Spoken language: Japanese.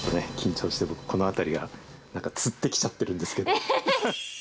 ちょっとね、緊張して僕、この辺りがなんかつってきちゃってるんですけど。